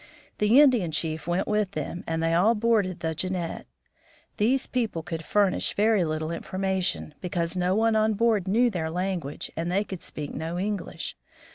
The Indian chief went with them, and they all boarded the Jeannette. These people could furnish very little information, because no one on board knew their language and they could speak no Eng lish.